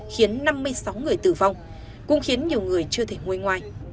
khiến năm mươi sáu người tử vong cũng khiến nhiều người chưa thể ngôi ngoài